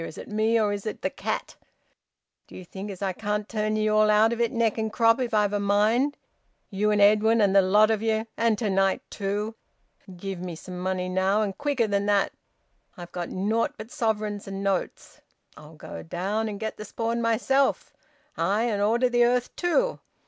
Is it me, or is it the cat? D'ye think as I can't turn ye all out of it neck and crop, if I've a mind? You and Edwin, and the lot of ye! And to night too! Give me some money now, and quicker than that! I've got nought but sovereigns and notes. I'll go down and get the spawn myself ay! and order the earth too!